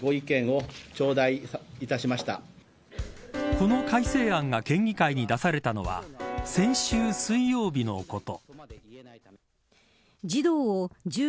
この改正案が県議会に出されたのは先週水曜日のこと。